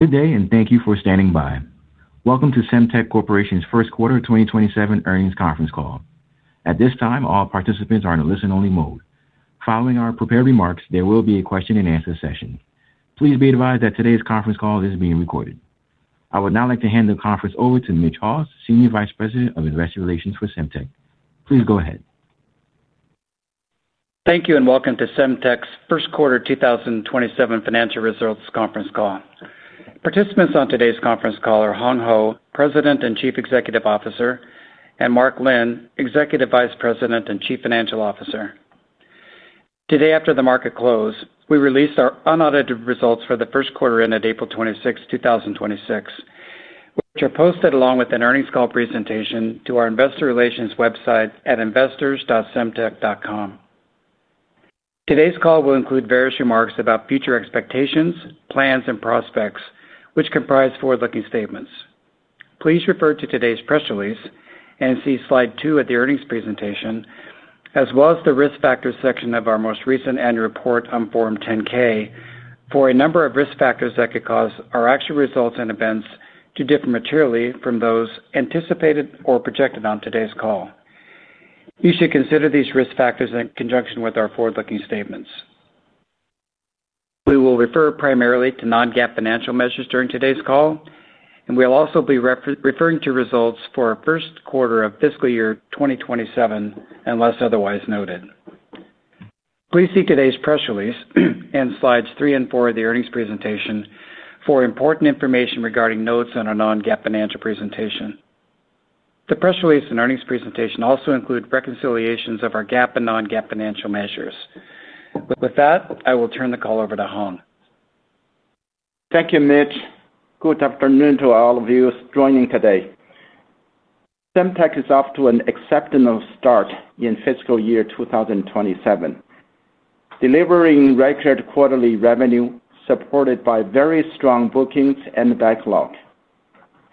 Good day, and thank you for standing by. Welcome to Semtech Corporation's First Quarter 2027 Earnings Conference Call. At this time, all participants are in a listen-only mode. Following our prepared remarks, there will be a question-and-answer session. Please be advised that today's conference call is being recorded. I would now like to hand the conference over to Mitch Haws, Senior Vice President of Investor Relations for Semtech. Please go ahead. Thank you and welcome to Semtech's first quarter 2027 financial results conference call. Participants on today's conference call are Hong Hou, President and Chief Executive Officer, and Mark Lin, Executive Vice President and Chief Financial Officer. Today after the market close, we released our unaudited results for the first quarter ending April 26th, 2026, which are posted along with an earnings call presentation to our investor relations website at investors.semtech.com. Today's call will include various remarks about future expectations, plans, and prospects, which comprise forward-looking statements. Please refer to today's press release and see slide two of the earnings presentation, as well as the Risk Factors section of our most recent annual report on Form 10-K for a number of risk factors that could cause our actual results and events to differ materially from those anticipated or projected on today's call. You should consider these risk factors in conjunction with our forward-looking statements. We will refer primarily to non-GAAP financial measures during today's call, and we'll also be referring to results for our first quarter of fiscal year 2027, unless otherwise noted. Please see today's press release and slides three and four of the earnings presentation for important information regarding notes on our non-GAAP financial presentation. The press release and earnings presentation also include reconciliations of our GAAP and non-GAAP financial measures. With that, I will turn the call over to Hong. Thank you, Mitch. Good afternoon to all of you joining today. Semtech is off to an exceptional start in fiscal year 2027, delivering record quarterly revenue supported by very strong bookings and backlog.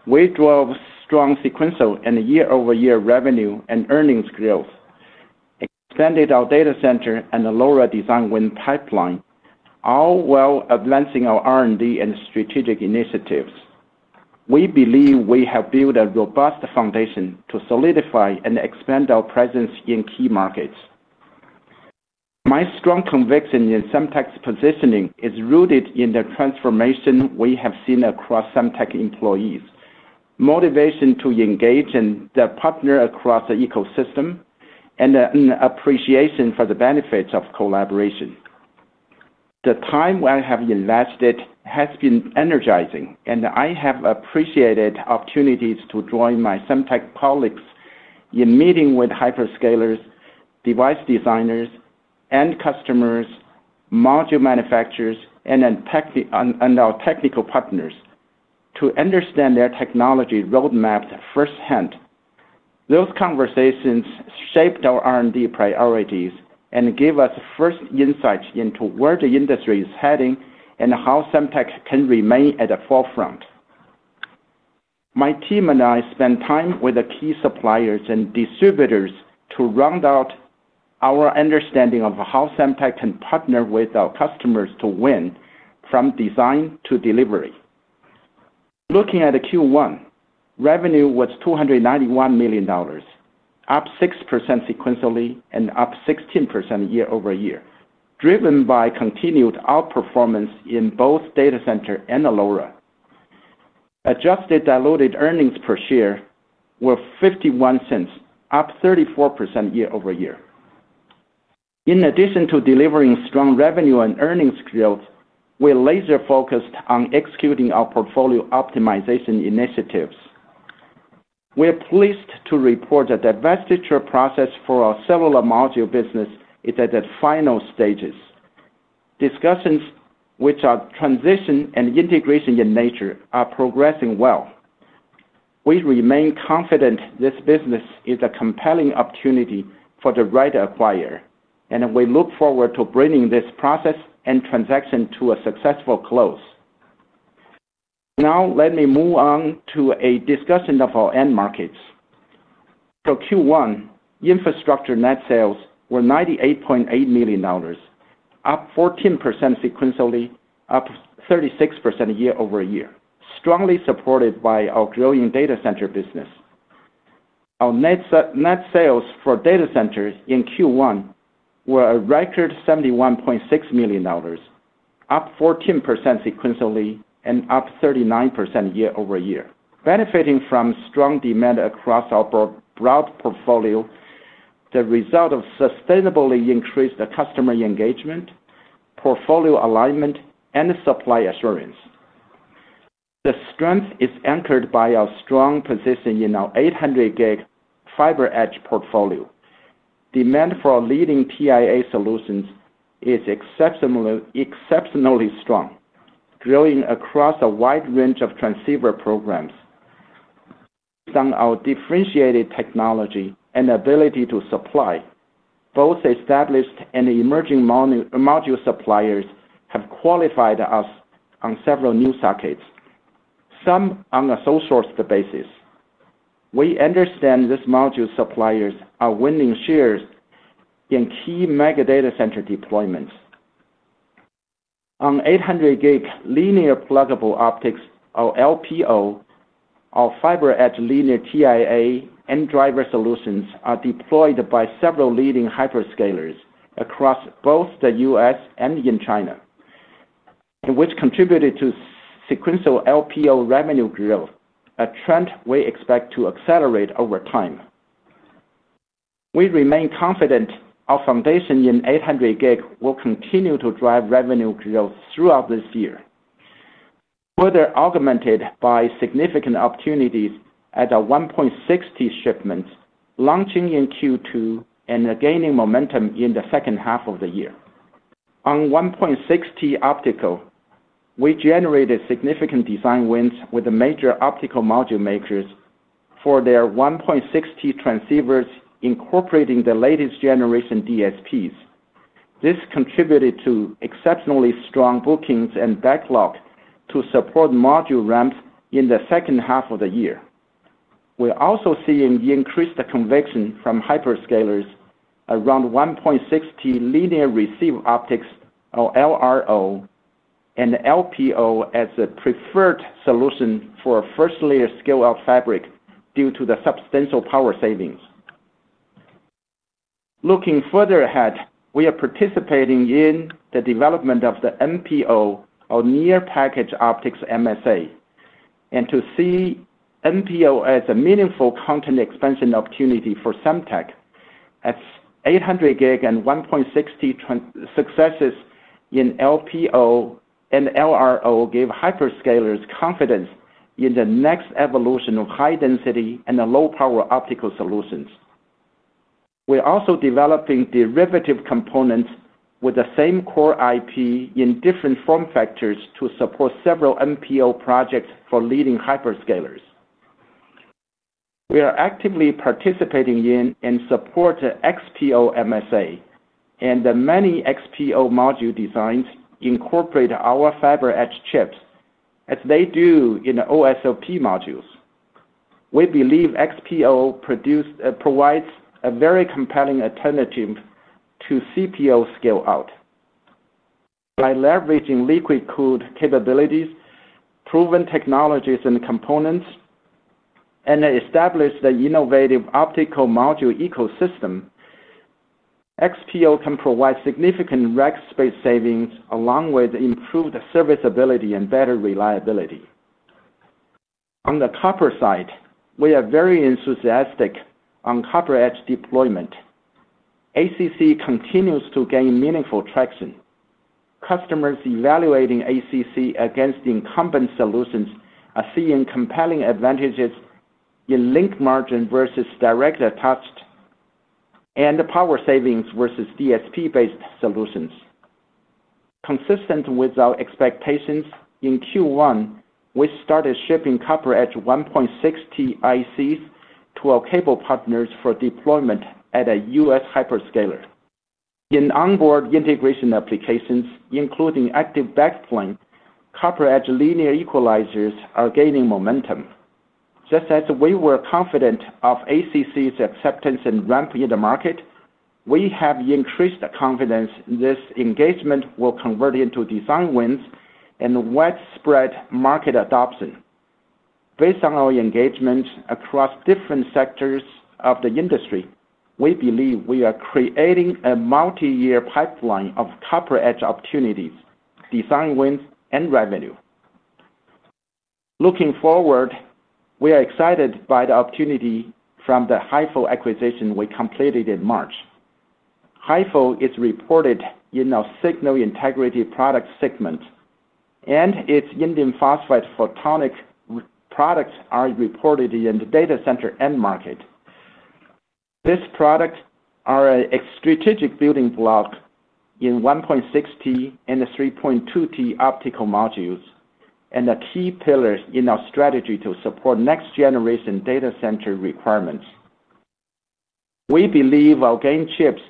We drove strong sequential and year-over-year revenue and earnings growth and expanded our data center and the LoRa design win pipeline, all while advancing our R&D and strategic initiatives. We believe we have built a robust foundation to solidify and expand our presence in key markets. My strong conviction in Semtech's positioning is rooted in the transformation we have seen across Semtech employees, motivation to engage and then partner across the ecosystem, and an appreciation for the benefits of collaboration. The time I have invested has been energizing, and I have appreciated opportunities to join my Semtech colleagues in meeting with hyperscalers, device designers, end customers, module manufacturers, and our technical partners to understand their technology roadmaps firsthand. Those conversations shaped our R&D priorities and gave us first insights into where the industry is heading and how Semtech can remain at the forefront. My team and I spend time with the key suppliers and distributors to round out our understanding of how Semtech can partner with our customers to win from design to delivery. Looking at the Q1, revenue was $291 million, up 6% sequentially and up 16% year-over-year, driven by continued outperformance in both data center and LoRa. Adjusted diluted earnings per share were $0.51, up 34% year-over-year. In addition to delivering strong revenue and earnings growth, we're laser focused on executing our portfolio optimization initiatives. We are pleased to report that the divestiture process for our cellular module business is at the final stages. Discussions, which are transition and integration in nature, are progressing well. We remain confident this business is a compelling opportunity for the right acquirer, and we look forward to bringing this process and transaction to a successful close. Let me move on to a discussion of our end markets. For Q1, infrastructure net sales were $98.8 million, up 14% sequentially, up 36% year-over-year, strongly supported by our growing data center business. Our net sales for data centers in Q1 were a record $71.6 million, up 14% sequentially and up 39% year-over-year, benefiting from strong demand across our broad portfolio, the result of sustainably increased customer engagement, portfolio alignment, and supply assurance. The strength is anchored by our strong position in our 800 gig FiberEdge portfolio. Demand for our leading TIA solutions is exceptionally strong, growing across a wide range of transceiver programs. From our differentiated technology and ability to supply, both established and emerging module suppliers have qualified us on several new sockets, some on a sole-source basis. We understand these module suppliers are winning shares in key megadata center deployments. On 800G linear pluggable optics, or LPO, our FiberEdge linear TIA and driver solutions are deployed by several leading hyperscalers across both the U.S. and China, which contributed to sequential LPO revenue growth, a trend we expect to accelerate over time. We remain confident our foundation in 800G will continue to drive revenue growth throughout this year, further augmented by significant opportunities as our 1.6T shipments launching in Q2 and gaining momentum in the second half of the year. On 1.6T optical, we generated significant design wins with the major optical module makers for their 1.6T transceivers incorporating the latest generation DSPs. This contributed to exceptionally strong bookings and backlog to support module ramps in the second half of the year. We're also seeing the increased conviction from hyperscalers around 1.6T linear receive optics, or LRO and LPO as a preferred solution for a first layer scale of fabric due to the substantial power savings. Looking further ahead, we are participating in the development of the NPO or near package optics MSA, and to see NPO as a meaningful content expansion opportunity for Semtech as 800G and 1.6T successes in LPO and LRO give hyperscalers confidence in the next evolution of high density and low power optical solutions. We're also developing derivative components with the same core IP in different form factors to support several NPO projects for leading hyperscalers. We are actively participating in and support XPO MSA, and the many XPO module designs incorporate our FiberEdge chips as they do in OSFP modules. We believe XPO provides a very compelling alternative to CPO scale-out. By leveraging liquid-cooled capabilities, proven technologies, and components, and establish the innovative optical module ecosystem, XPO can provide significant rack space savings along with improved serviceability and better reliability. On the copper side, we are very enthusiastic on CopperEdge deployment. ACC continues to gain meaningful traction. Customers evaluating ACC against incumbent solutions are seeing compelling advantages in link margin versus direct attached and power savings versus DSP-based solutions. Consistent with our expectations, in Q1, we started shipping CopperEdge 1.6T ICs to our cable partners for deployment at a U.S. hyperscaler. In onboard integration applications, including active backplane, CopperEdge linear equalizers are gaining momentum. Just as we were confident of ACC's acceptance and ramp in the market, we have increased confidence this engagement will convert into design wins and widespread market adoption. Based on our engagement across different sectors of the industry, we believe we are creating a multi-year pipeline of CopperEdge opportunities, design wins, and revenue. Looking forward, we are excited by the opportunity from the HieFo acquisition we completed in March. HieFo is reported in our signal integrity product segment, and its indium phosphide photonic products are reported in the data center end market. These products are a strategic building block in 1.6T and 3.2T optical modules and the key pillars in our strategy to support next-generation data center requirements. We believe our GaN chips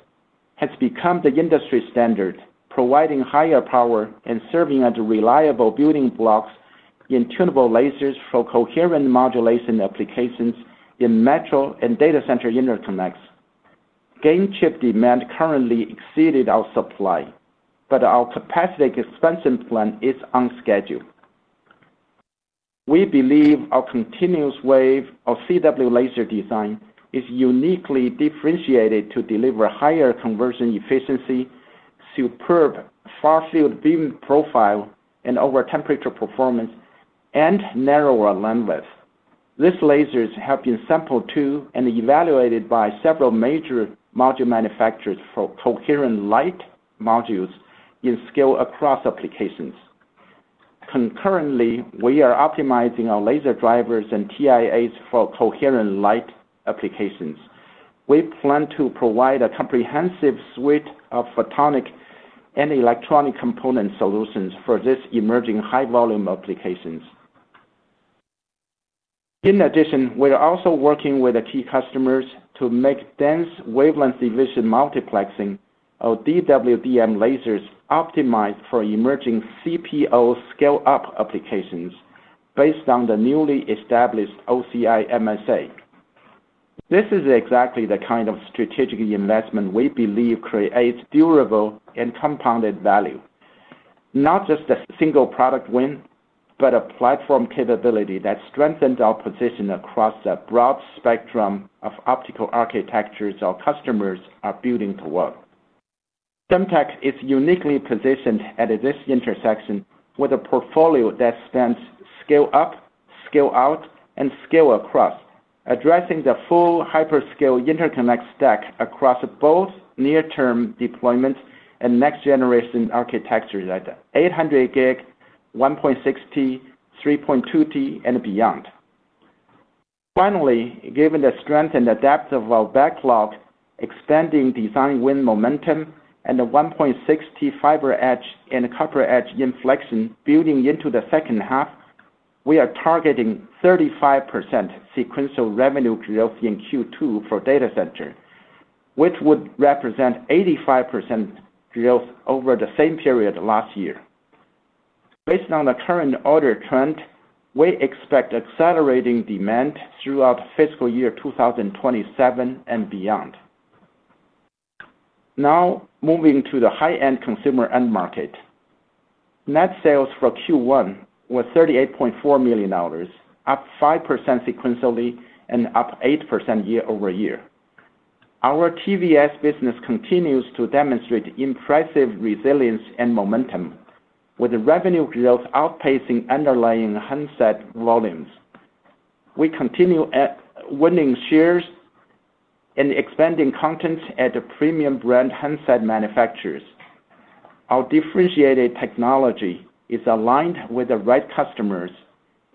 have become the industry standard, providing higher power and serving as reliable building blocks in tunable lasers for coherent modulation applications in metro and data center interconnects. GaN chip demand currently exceeded our supply, but our capacity expansion plan is on schedule. We believe our continuous wave of CW laser design is uniquely differentiated to deliver higher conversion efficiency, superb far-field beam profile, over-temperature performance, and narrower linewidths. These lasers have been sampled to and evaluated by several major module manufacturers for coherent light modules in scale across applications. Concurrently, we are optimizing our laser drivers and TIAs for coherent light applications. We plan to provide a comprehensive suite of photonic and electronic component solutions for these emerging high-volume applications. We're also working with the key customers to make dense wavelength division multiplexing (DWDM) lasers optimized for emerging CPO scale-up applications based on the newly established OCI MSA. This is exactly the kind of strategic investment we believe creates durable and compounded value. Not just a single product win, but a platform capability that strengthens our position across a broad spectrum of optical architectures our customers are building toward. Semtech is uniquely positioned at this intersection with a portfolio that spans scale up, scale out, and scale across, addressing the full hyperscale interconnect stack across both near-term deployment and next-generation architectures like 800G, 1.6T, 3.2T, and beyond. Finally, given the strength and the depth of our backlog, expanding design win momentum, and the 1.6T FiberEdge and CopperEdge inflection building into the second half, we are targeting 35% sequential revenue growth in Q2 for data center, which would represent 85% growth over the same period last year. Based on the current order trend, we expect accelerating demand throughout fiscal year 2027 and beyond. Moving to the high-end consumer end market. Net sales for Q1 were $38.4 million, up 5% sequentially and up 8% year-over-year. Our TVS business continues to demonstrate impressive resilience and momentum, with revenue growth outpacing underlying handset volumes. We continue winning shares and expanding content at the premium brand handset manufacturers. Our differentiated technology is aligned with the right customers,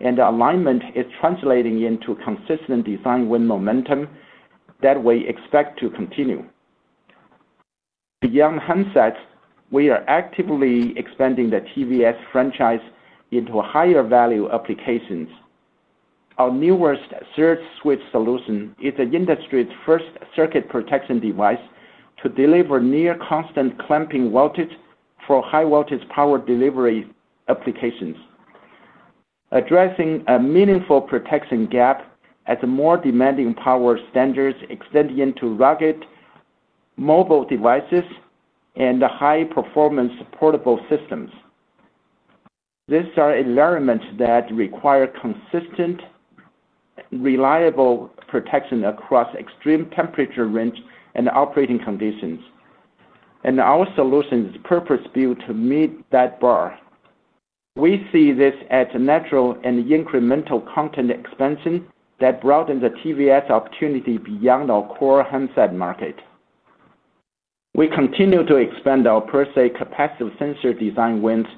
and alignment is translating into consistent design win momentum that we expect to continue. Beyond handsets, we are actively expanding the TVS franchise into higher-value applications. Our newest SurgeSwitch solution is an industry's first circuit protection device to deliver near-constant clamping voltage for high-voltage power delivery applications, addressing a meaningful protection gap as more demanding power standards extend into rugged mobile devices and high-performance portable systems. These are environments that require consistent, reliable protection across extreme temperature range and operating conditions. Our solution is purpose-built to meet that bar. We see this as natural and incremental content expansion that broadens the TVS opportunity beyond our core handset market. We continue to expand our PerSe capacitive sensor design wins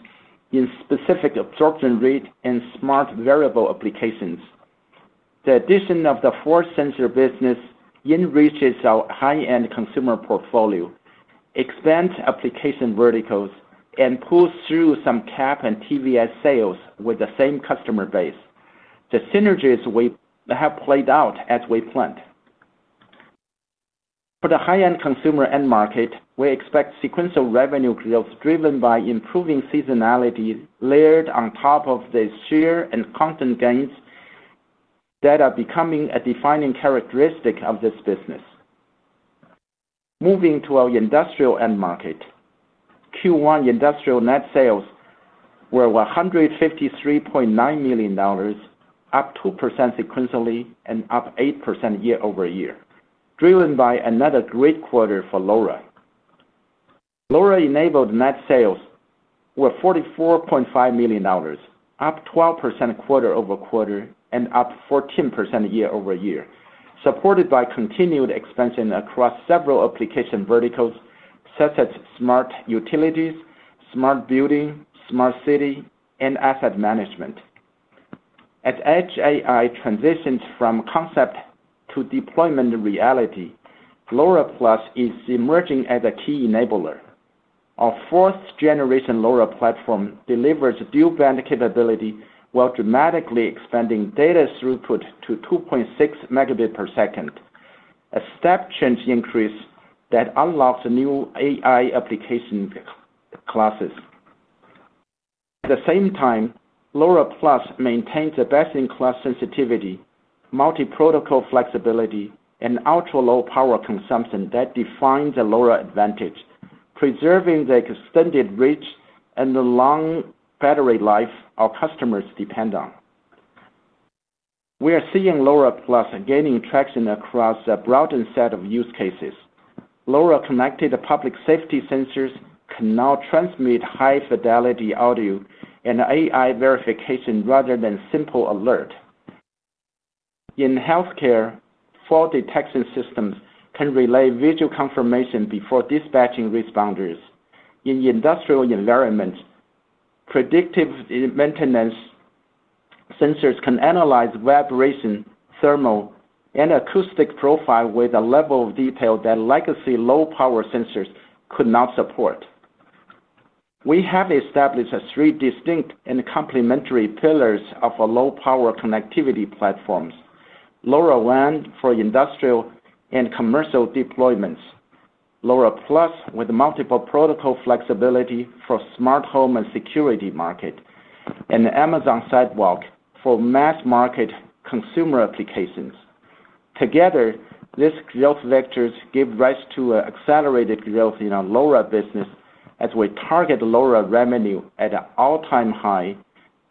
in specific absorption rate and smart wearable applications. The addition of the force sensor business enriches our high-end consumer portfolio, expands application verticals, and pulls through some CAP and TVS sales with the same customer base. The synergies have played out as we planned. For the high-end consumer end market, we expect sequential revenue growth driven by improving seasonality layered on top of the share and content gains that are becoming a defining characteristic of this business. Moving to our industrial end market. Q1 industrial net sales were $153.9 million, up 2% sequentially and up 8% year-over-year, driven by another great quarter for LoRa. LoRa-enabled net sales were $44.9 million, up 12% quarter-over-quarter and up 14% year-over-year, supported by continued expansion across several application verticals such as smart utilities, smart building, smart city, and asset management. As edge AI transitions from concept to deployment reality, LoRa Plus is emerging as a key enabler. Our fourth-generation LoRa platform delivers dual-band capability while dramatically expanding data throughput to 2.6 Mbps. A step change increase that unlocks new AI application classes. At the same time, LoRa Plus maintains the best-in-class sensitivity, multi-protocol flexibility, and ultra-low power consumption that defines the LoRa advantage, preserving the extended reach and the long battery life our customers depend on. We are seeing LoRa Plus gaining traction across a broadened set of use cases. LoRa-connected public safety sensors can now transmit high-fidelity audio and AI verification rather than simple alert. In healthcare, fault detection systems can relay visual confirmation before dispatching responders. In industrial environments, predictive maintenance sensors can analyze vibration, thermal, and acoustic profile with a level of detail that legacy low-power sensors could not support. We have established three distinct and complementary pillars of our low-power connectivity platforms. LoRaWAN for industrial and commercial deployments, LoRa Plus with multiple protocol flexibility for smart home and security market, and Amazon Sidewalk for mass-market consumer applications. Together, these growth vectors give rise to accelerated growth in our LoRa business as we target LoRa revenue at an all-time high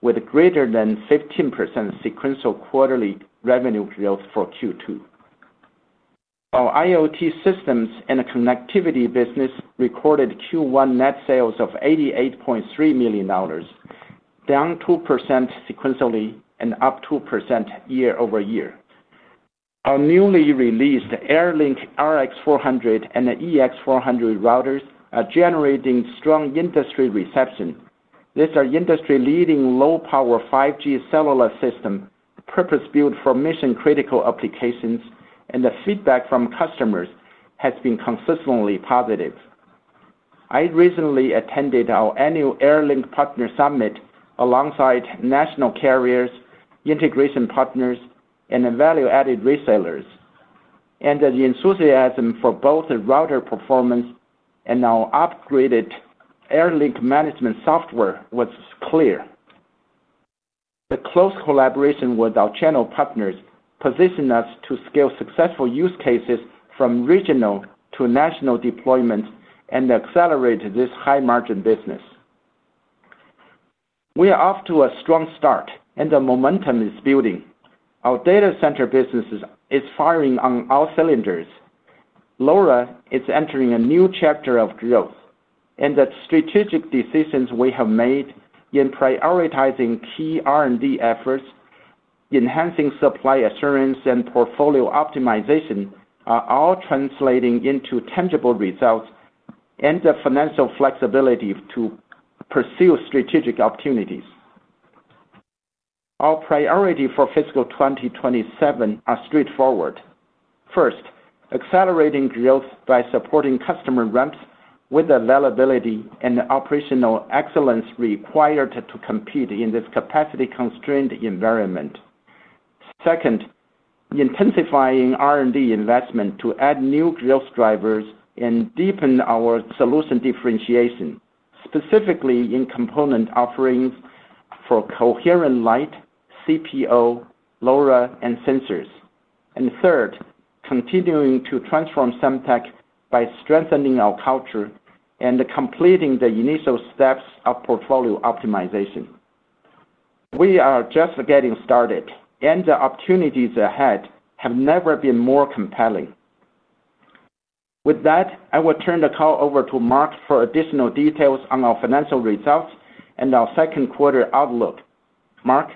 with greater than 15% sequential quarterly revenue growth for Q2. Our IoT systems and connectivity business recorded Q1 net sales of $88.3 million, down 2% sequentially and up 2% year-over-year. Our newly released AirLink RX400 and AirLink EX400 routers are generating strong industry reception. These are industry-leading low-power 5G cellular systems purpose-built for mission-critical applications, and the feedback from customers has been consistently positive. I recently attended our annual AirLink Partner Summit alongside national carriers, integration partners, and value-added resellers, and the enthusiasm for both the router performance and our upgraded AirLink management software was clear. The close collaboration with our channel partners positions us to scale successful use cases from regional to national deployments and accelerate this high-margin business. We are off to a strong start, and the momentum is building. Our data center business is firing on all cylinders. LoRa is entering a new chapter of growth. The strategic decisions we have made in prioritizing key R&D efforts, enhancing supply assurance, and portfolio optimization are all translating into tangible results and financial flexibility to pursue strategic opportunities. Our priorities for fiscal 2027 are straightforward. First, accelerating growth by supporting customer ramps with availability and the operational excellence required to compete in this capacity-constrained environment. Second, intensifying R&D investment to add new growth drivers and deepen our solution differentiation, specifically in component offerings for coherent light, CPO, LoRa, and sensors. Third, continuing to transform Semtech by strengthening our culture and completing the initial steps of portfolio optimization. We are just getting started, and the opportunities ahead have never been more compelling. With that, I will turn the call over to Mark for additional details on our financial results and our second quarter outlook. Mark?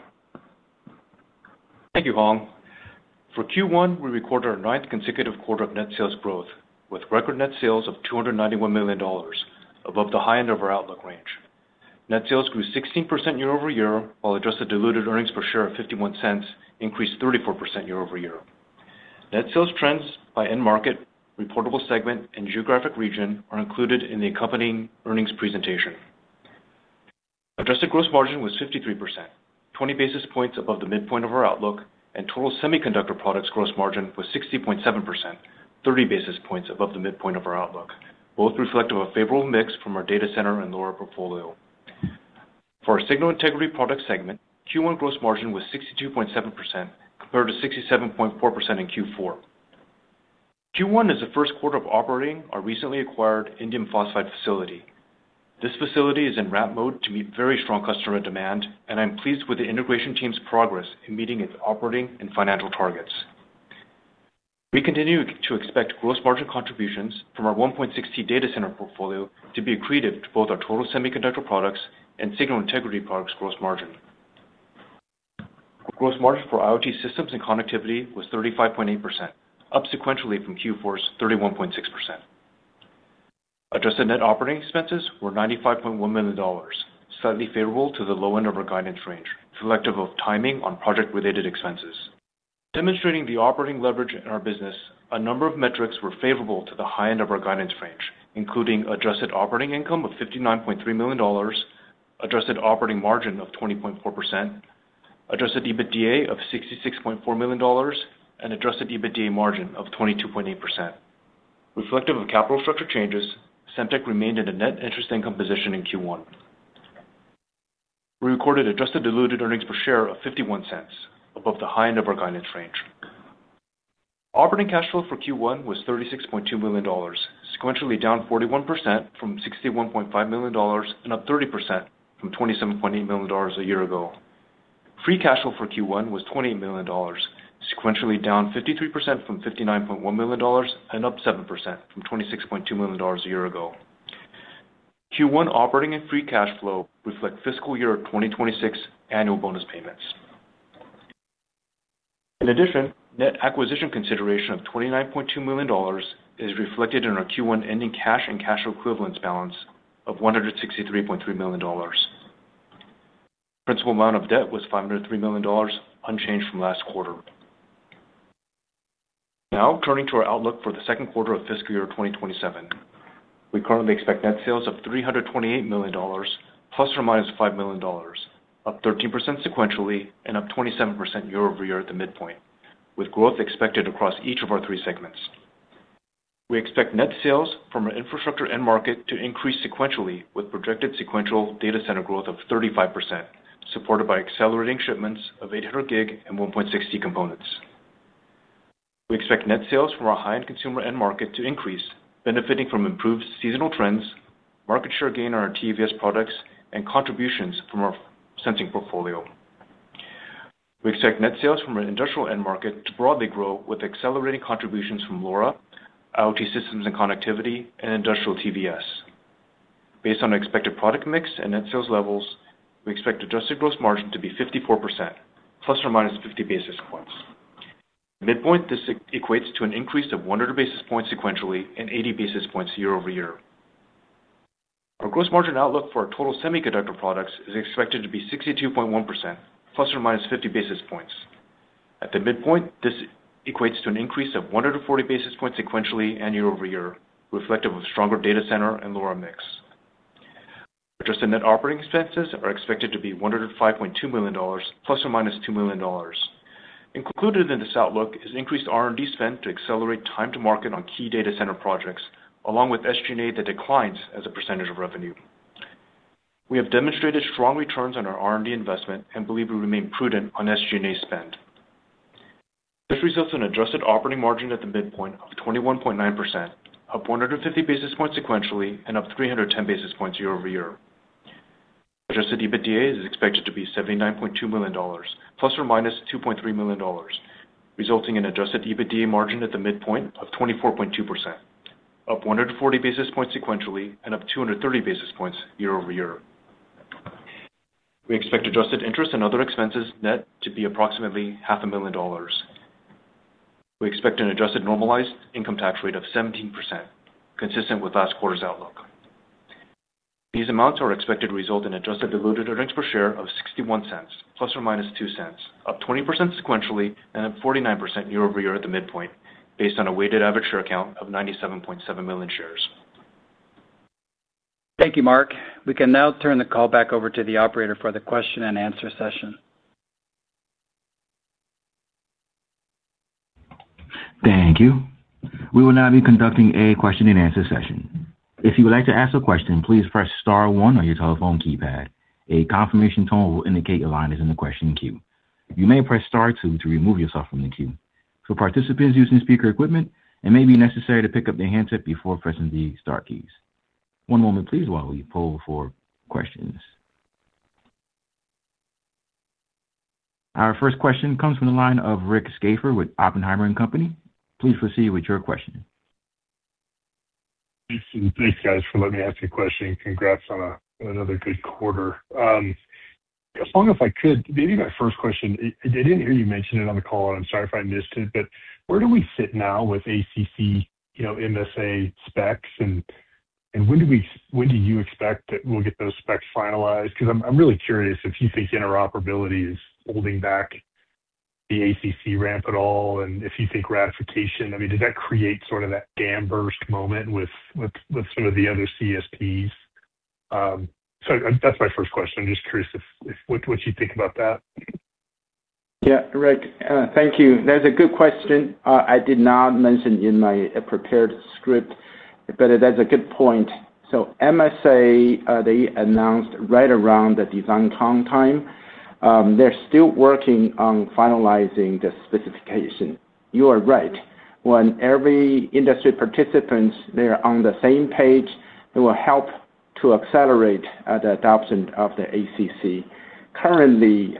Thank you, Hong. For Q1, we recorded our ninth consecutive quarter of net sales growth, with record net sales of $291 million above the high end of our outlook range. Net sales grew 16% year-over-year, while adjusted diluted earnings per share of $0.51 increased 34% year-over-year. Net sales trends by end market, reportable segment, and geographic region are included in the accompanying earnings presentation. Adjusted gross margin was 53%, 20 basis points above the midpoint of our outlook, and total semiconductor products gross margin was 60.7%, 30 basis points above the midpoint of our outlook, both reflective of a favorable mix from our data center and LoRa portfolio. For our signal integrity product segment, Q1 gross margin was 62.7%, compared to 67.4% in Q4. Q1 is the first quarter of operating our recently acquired indium phosphide facility. This facility is in ramp mode to meet very strong customer demand, and I'm pleased with the integration team's progress in meeting its operating and financial targets. We continue to expect gross margin contributions from our 1.6T data center portfolio to be accretive to both our total semiconductor products and signal integrity products' gross margin. Gross margin for IoT systems and connectivity was 35.8%, up sequentially from Q4's 31.6%. Adjusted net operating expenses were $95.1 million, slightly favorable to the low end of our guidance range, reflective of timing on project-related expenses. Demonstrating the operating leverage in our business, a number of metrics were favorable to the high end of our guidance range, including adjusted operating income of $59.3 million, adjusted operating margin of 20.4%, adjusted EBITDA of $66.4 million, and adjusted EBITDA margin of 22.8%. Reflective of capital structure changes, Semtech remained in a net interest income position in Q1. We recorded adjusted diluted earnings per share of $0.51, above the high end of our guidance range. Operating cash flow for Q1 was $36.2 million, sequentially down 41% from $61.5 million and up 30% from $27.8 million a year ago. Free cash flow for Q1 was $28 million, sequentially down 53% from $59.1 million and up 7% from $26.2 million a year ago. Q1 operating and free cash flow reflect fiscal year 2026 annual bonus payments. In addition, net acquisition consideration of $29.2 million is reflected in our Q1 ending cash and cash equivalents balance of $163.3 million. Principal amount of debt was $503 million, unchanged from last quarter. Now turning to our outlook for the second quarter of fiscal year 2027. We currently expect net sales of $328 million, ±$5 million, up 13% sequentially and up 27% year-over-year at the midpoint, with growth expected across each of our three segments. We expect net sales from our infrastructure end market to increase sequentially, with projected sequential data center growth of 35%, supported by accelerating shipments of 800G and 1.6T components. We expect net sales from our high-end consumer end market to increase, benefiting from improved seasonal trends, market share gain on our TVS products, and contributions from our sensing portfolio. We expect net sales from our industrial end market to broadly grow with accelerating contributions from LoRa, IoT systems and connectivity, and industrial TVS. Based on expected product mix and net sales levels, we expect adjusted gross margin to be 54%, ±50 basis points. Midpoint, this equates to an increase of 100 basis points sequentially and 80 basis points year-over-year. Our gross margin outlook for our total semiconductor products is expected to be 62.1%, ±50 basis points. At the midpoint, this equates to an increase of 140 basis points sequentially and year-over-year, reflective of stronger data center and LoRa mix. Adjusted net operating expenses are expected to be $105.2 million, ±$2 million. Included in this outlook is increased R&D spend to accelerate time to market on key data center projects, along with SG&A that declines as a percentage of revenue. We have demonstrated strong returns on our R&D investment and believe we remain prudent on SG&A spend. This results in adjusted operating margin at the midpoint of 21.9%, up 150 basis points sequentially and up 310 basis points year-over-year. Adjusted EBITDA is expected to be $79.2 million, ±$2.3 million, resulting in adjusted EBITDA margin at the midpoint of 24.2%, up 140 basis points sequentially and up 230 basis points year-over-year. We expect adjusted interest and other expenses net to be approximately $500,000. We expect an adjusted normalized income tax rate of 17%, consistent with last quarter's outlook. These amounts are expected to result in adjusted diluted earnings per share of $0.61, ±$0.02, up 20% sequentially and up 49% year-over-year at the midpoint, based on a weighted average share count of 97.7 million shares. Thank you, Mark. We can now turn the call back over to the operator for the question-and-answer session. Thank you. We will now be conducting a question-and-answer session. If you would like to ask a question, please press star one on your telephone keypad. A confirmation tone will indicate your line is in the question queue. You may press star two to remove yourself from the queue. For participants using speaker equipment, it may be necessary to pick up the handset before pressing the star keys. One moment, please, while we poll for questions. Our first question comes from the line of Rick Schafer with Oppenheimer & Co. Inc. Please proceed with your question. Thanks, and thanks, guys, for letting me ask a question, and congrats on another good quarter. Hong, if I could, maybe my first question: I didn't hear you mention it on the call, and I'm sorry if I missed it, but where do we sit now with OCI MSA specs, and when do you expect that we'll get those specs finalized? Because I'm really curious if you think interoperability is holding back the OCI ramp at all, and if you think ratification, I mean, does that create sort of that dam burst moment with some of the other CSPs? That's my first question. I'm just curious what you think about that. Yeah. Rick, thank you. That's a good question. I did not mention in my prepared script, but that's a good point. MSA, they announced right around the DesignCon time. They're still working on finalizing the specification. You are right. When every industry participants, they're on the same page, it will help to accelerate the adoption of the ACC. Currently,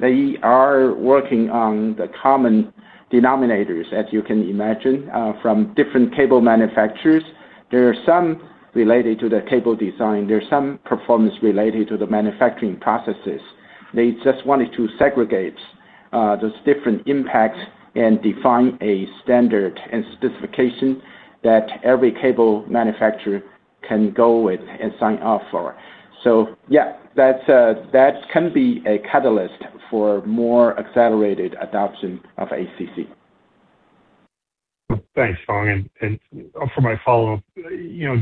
they are working on the common denominators, as you can imagine, from different cable manufacturers. There are some related to the cable design. There's some performance related to the manufacturing processes. They just wanted to segregate those different impacts and define a standard and specification that every cable manufacturer can go with and sign off for. Yeah, that can be a catalyst for more accelerated adoption of ACC. Thanks, Hong, for my follow-up,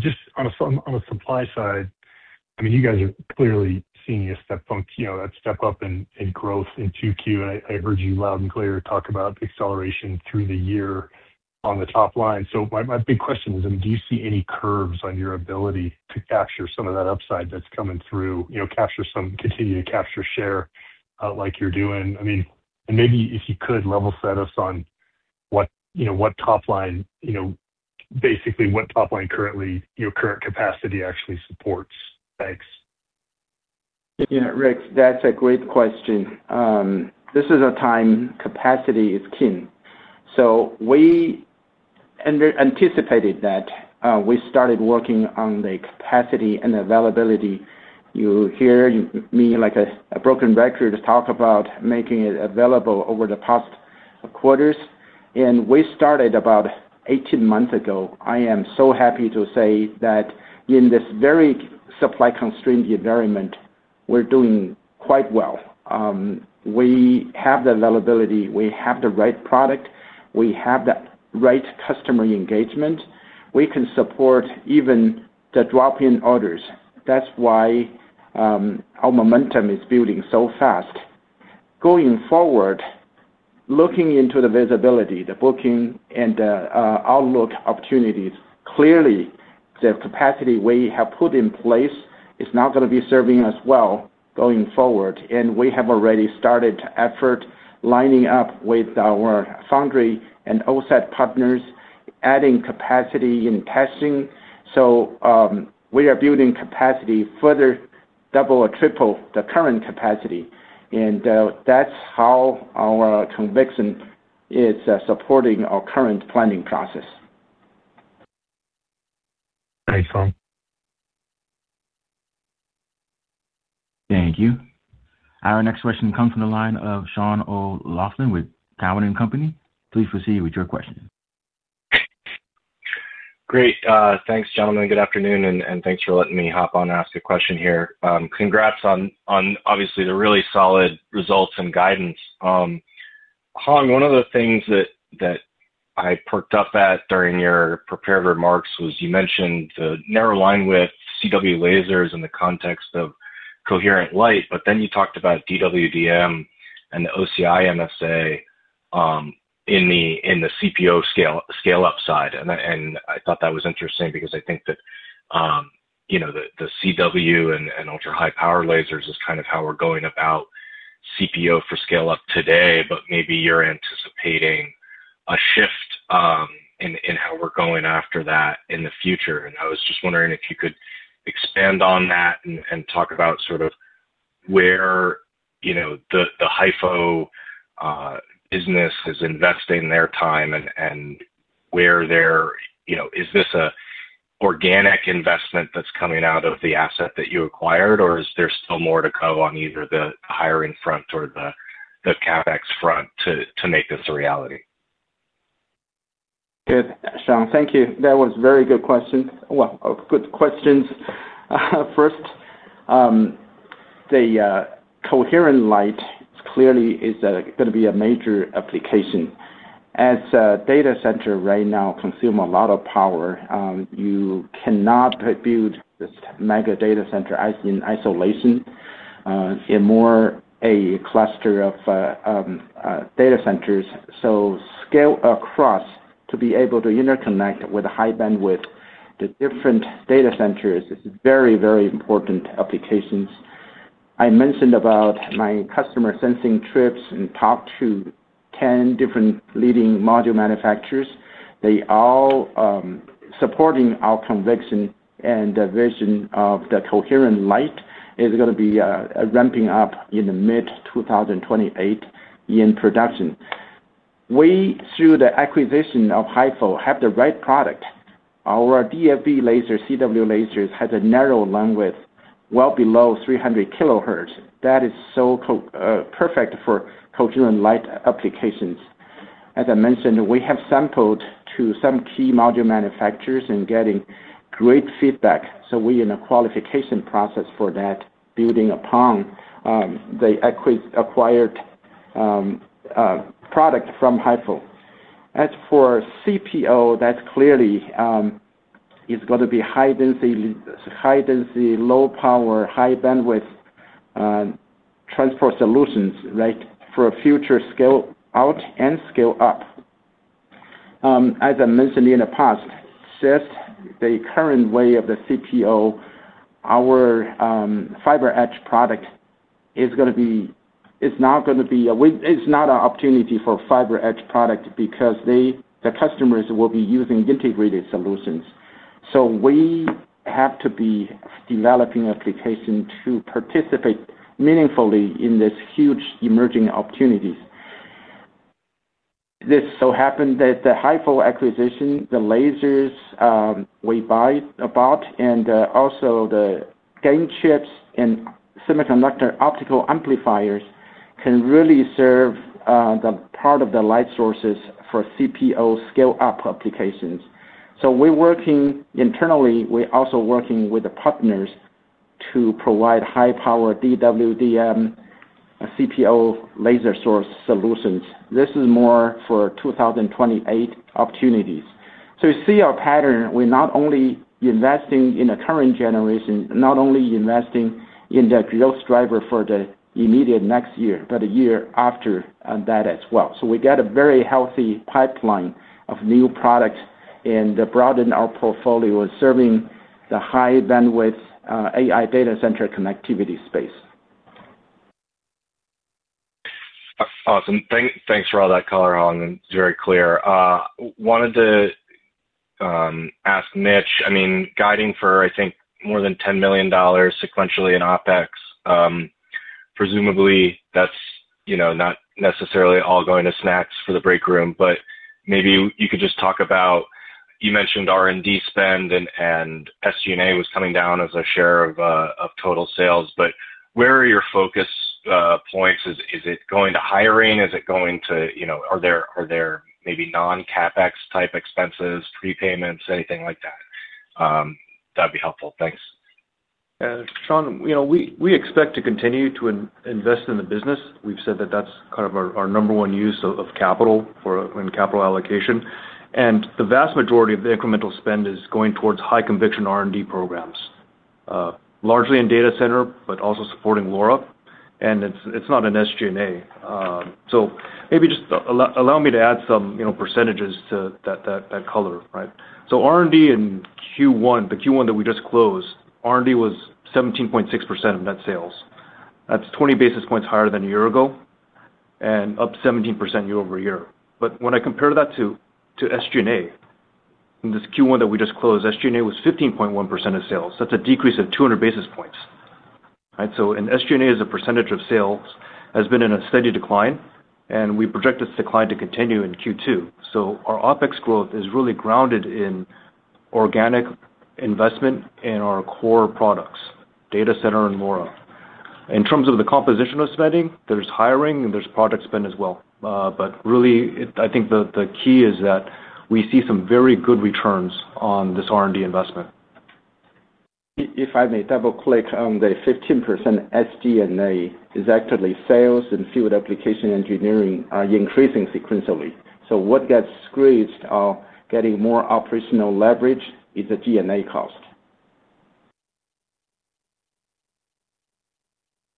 just on a supply side, I mean, you guys are clearly seeing that step-up in growth in 2Q, and I heard you loud and clear talk about acceleration through the year on the top line. My big question is, do you see any curves on your ability to capture some of that upside that's coming through? Continue to capture share like you're doing. I mean, maybe if you could level-set us on basically what top line, currently, your current capacity actually supports. Thanks. Yeah, Rick, that's a great question. This is a time when capacity is king. We anticipated that. We started working on the capacity and availability. You hear me like a broken record to talk about making it available over the past quarters, and we started about 18 months ago. I am so happy to say that in this very supply-constrained environment. We're doing quite well. We have the availability, we have the right product, we have the right customer engagement. We can support even the drop-in orders. That's why our momentum is building so fast. Going forward, looking into the visibility, the booking, and the outlook opportunities, clearly the capacity we have put in place is now going to be serving us well going forward. We have already started effort lining up with our foundry and OSAT partners, adding capacity and testing. We are building capacity further, double or triple the current capacity. That's how our conviction is supporting our current planning process. Thanks, Hong. Thank you. Our next question comes from the line of Sean O'Laughlin with Cowen and Company. Please proceed with your question. Great. Thanks, gentlemen. Good afternoon, and thanks for letting me hop on and ask a question here. Congrats on obviously the really solid results and guidance. Hong, one of the things that I perked up at during your prepared remarks was you mentioned the narrow linewidth CW lasers in the context of coherent light. Then you talked about DWDM and the OCI MSA in the CPO scale-up side. I thought that was interesting because I think that the CW and ultra-high-power lasers is how we're going about CPO for scale-up today. Maybe you're anticipating a shift in how we're going after that in the future. I was just wondering if you could expand on that and talk about where the HieFo business is investing their time, and is this an organic investment that's coming out of the asset that you acquired, or is there still more to come on either the hiring front or the CapEx front to make this a reality? Good. Sean, thank you. That was a very good question. Well, good questions. First, the coherent light clearly is going to be a major application. As data center right now consume a lot of power, you cannot build this mega data center in isolation. In more a cluster of data centers. Scale across to be able to interconnect with high bandwidth the different data centers is very, very important applications. I mentioned my customer sensing trips and talked to 10 different leading module manufacturers. They all support our conviction, and the vision of the coherent light is going to be ramping up in mid-2028 in production. We, through the acquisition of HieFo, have the right product. Our DFB laser, a CW laser, has a narrow bandwidth well below 300 kilohertz. That is so perfect for coherent light applications. As I mentioned, we have sampled to some key module manufacturers and getting great feedback. We are in the qualification process for that, building upon the acquired product from HieFo. As for CPO, that clearly is going to be high-density, low-power, high-bandwidth transport solutions. For a future scale out and scale up. As I mentioned in the past, just the current way of the CPO, our FiberEdge product is not an opportunity for FiberEdge product because the customers will be using integrated solutions. We have to be developing application to participate meaningfully in this huge emerging opportunities. This so happened that the HieFo acquisition, the lasers we bought, and also the gain chips and semiconductor optical amplifiers can really serve the part of the light sources for CPO scale-up applications. We're working internally. We're also working with the partners to provide high-power DWDM CPO laser source solutions. This is more for 2028 opportunities. You see our pattern. We're not only investing in the current generation, not only investing in the growth driver for the immediate next year, but a year after that as well. We got a very healthy pipeline of new products and broaden our portfolio serving the high-bandwidth AI data center connectivity space. Awesome. Thanks for all that color, Hong, very clear. Wanted to ask Mitch, guiding for, I think, more than $10 million sequentially in OpEx. Presumably that's not necessarily all going to snacks for the break room, maybe you could just talk about, you mentioned R&D spend and SG&A was coming down as a share of total sales focus points. Is it going to hiring? Are there maybe non-CapEx-type expenses, prepayments, or anything like that? That'd be helpful. Thanks. Sean, we expect to continue to invest in the business. We've said that that's kind of our number one use of capital for capital allocation. The vast majority of the incremental spend is going towards high conviction R&D programs. Largely in data center, also supporting LoRa, it's not in SG&A. Maybe just allow me to add some percentages to that color. R&D in Q1, the Q1 that we just closed, R&D was 17.6% of net sales. That's 20 basis points higher than a year ago, up 17% year-over-year. When I compare that to SG&A in this Q1 that we just closed, SG&A was 15.1% of sales. That's a decrease of 200 basis points. SG&A as a percentage of sales has been in a steady decline, we project this decline to continue in Q2. Our OpEx growth is really grounded in organic investment in our core products, data center, and LoRa. In terms of the composition of spending, there's hiring and there's product spend as well. Really, I think the key is that we see some very good returns on this R&D investment. If I may double-click on the 15%, SG&A is actually sales and field application engineering are increasing sequentially. What gets squeezed and gets more operational leverage is the G&A cost.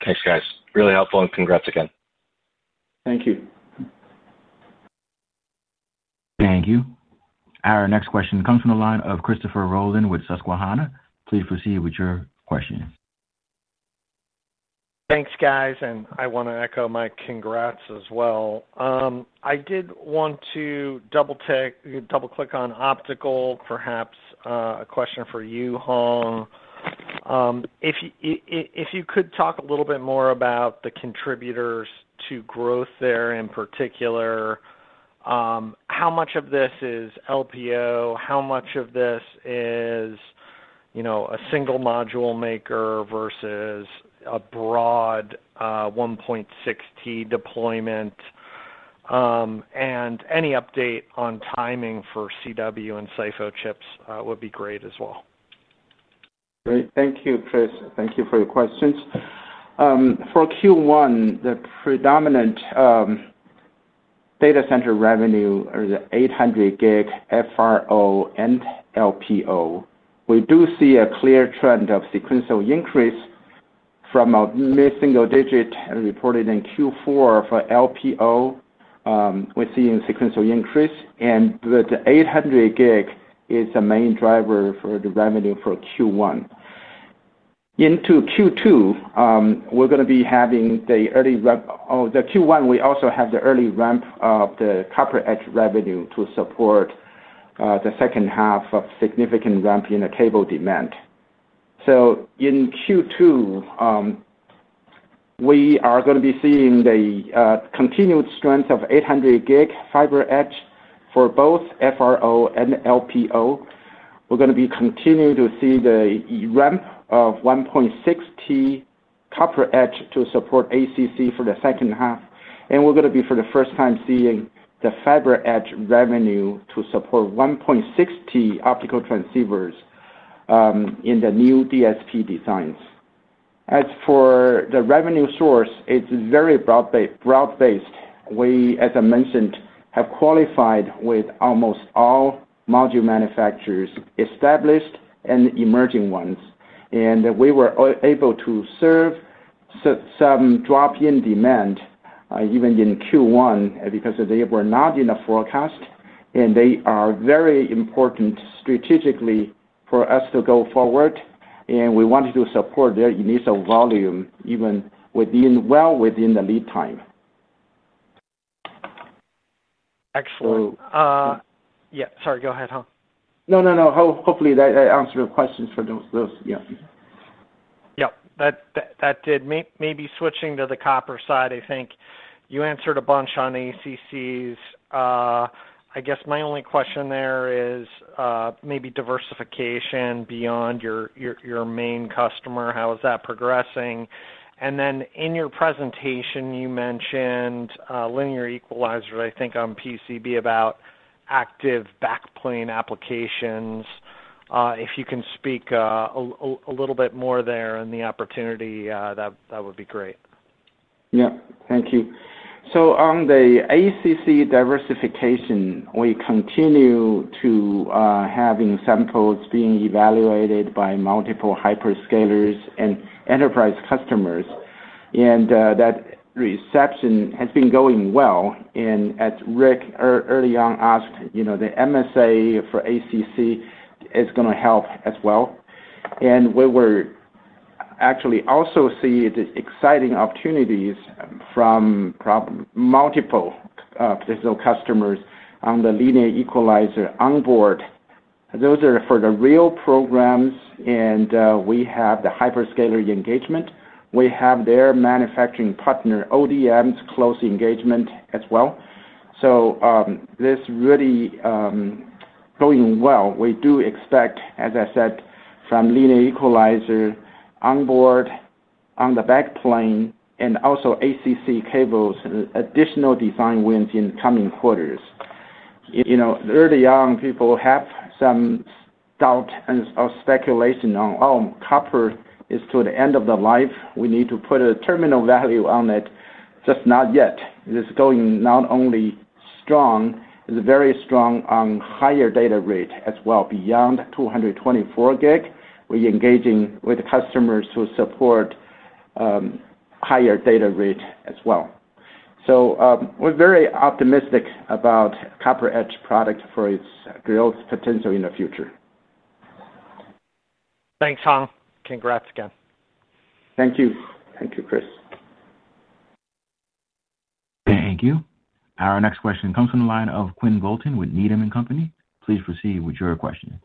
Thanks, guys. Really helpful and congrats again. Thank you. Thank you. Our next question comes from the line of Christopher Rolland with Susquehanna. Please proceed with your question. Thanks, guys. I want to echo my congrats as well. I did want to double-click on optical, perhaps, a question for you, Hong. If you could talk a little bit more about the contributors to growth there, in particular, how much of this is LPO? How much of this is a single module maker versus a broad 1.6T deployment? And any update on timing for CW and SiPho chips would be great as well. Great. Thank you, Chris. Thank you for your questions. For Q1, the predominant data center revenue is 800G FRO and LPO. We do see a clear trend of sequential increase from a mid-single digit reported in Q4 for LPO. We're seeing a sequential increase, and the 800G is the main driver for the revenue for Q1. In Q1, we also have the early ramp of the CopperEdge revenue to support the second half of significant ramp in the cable demand. In Q2, we are going to be seeing the continued strength of 800G FiberEdge for both FRO and LPO. We're going to be continuing to see the ramp of 1.6T CopperEdge to support ACC for the second half. We're going to be, for the first time, seeing the FiberEdge revenue to support 1.6T optical transceivers in the new DSP designs. As for the revenue source, it's very broad-based. We, as I mentioned, have qualified with almost all module manufacturers, established and emerging ones. We were able to serve some drop-in demand, even in Q1, because they were not in the forecast, and they are very important strategically for us to go forward. We wanted to support their initial volume, even well within the lead time. Excellent. Yeah, sorry, go ahead, Hong. No, hopefully that answered your questions for those. Yeah. Yep. That did. Switching to the copper side, I think you answered a bunch on ACCs. I guess my only question there is maybe diversification beyond your main customer, how is that progressing? In your presentation, you mentioned a linear equalizer, I think on PCB, about active backplane applications. If you can speak a little bit more there on the opportunity, that would be great. Yeah. Thank you. On the ACC diversification, we continue to have samples being evaluated by multiple hyperscalers and enterprise customers. That reception has been going well. As Rick early on asked, the MSA for ACC is going to help as well. We were actually also seeing the exciting opportunities from multiple [digital] customers on the linear equalizer onboard. Those are for the real programs. We have the hyperscaler engagement. We have their manufacturing partner, ODM, close engagement as well. Going well. We do expect, as I said, from linear equalizer onboard, on the backplane, and also ACC cables, additional design wins in coming quarters. Early on, people have some doubt and speculation on, oh, copper is to the end of the life. We need to put a terminal value on it, just not yet. It is not only going strong, it's very strong on higher data rate as well, beyond 224 gig. We're engaging with customers to support higher data rate as well. We're very optimistic about CopperEdge product for its growth potential in the future. Thanks, Hong. Congrats again. Thank you. Thank you, Chris. Thank you. Our next question comes from the line of Quinn Bolton with Needham & Company. Please proceed with your question.